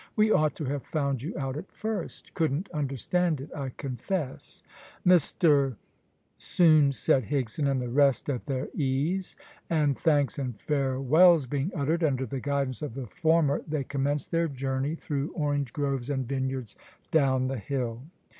We ought to have found you out at first couldn't understand it, I confess." Mr soon set Higson and the rest at their ease, and thanks and farewells being uttered, under the guidance of the former they commenced their journey through orange groves and vineyards down the hill.